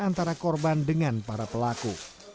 antara korban dengan para pelaku